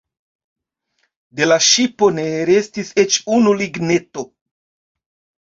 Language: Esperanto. De la ŝipo ne restis eĉ unu ligneto.